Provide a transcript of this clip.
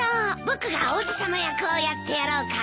僕が王子様役をやってやろうか？